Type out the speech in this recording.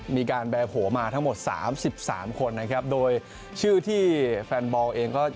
มีการแบบโหลมาทั้งหมด๓๓คนโดยชื่อที่แฟนบองเอง